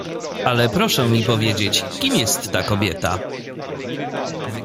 "Ale proszę mi powiedzieć, kim jest ta kobieta?"